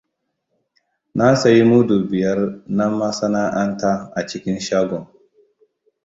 Na sayi mudu biyar na masana'anta a cikin shagon.